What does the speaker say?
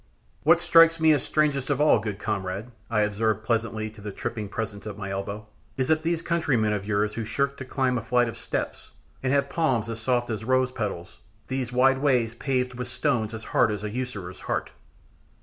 "What strikes me as strangest of all, good comrade," I observed pleasantly to the tripping presence at my elbow, "is that these countrymen of yours who shirk to climb a flight of steps, and have palms as soft as rose petals, these wide ways paved with stones as hard as a usurer's heart."